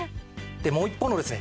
でもう一方のですね